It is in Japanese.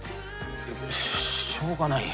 しょうがないよ。